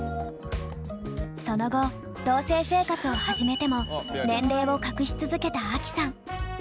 その後同棲生活を始めても年齢を隠し続けたアキさん。